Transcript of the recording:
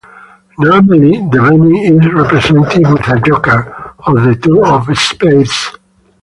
Normally, the Benny is represented with a Joker or the two of spades.